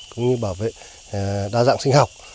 cũng như bảo vệ đa dạng sinh học